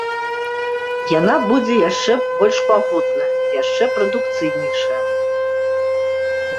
Яна будзе яшчэ больш магутная, яшчэ прадукцыйнейшая.